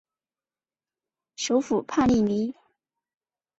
首府帕利尼。